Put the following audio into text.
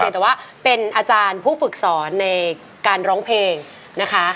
แต่ว่าเป็นอาจารย์ผู้ฝึกสอนในการร้องเพลงนะคะ